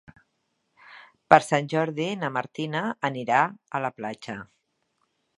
Per Sant Jordi na Martina anirà a la platja.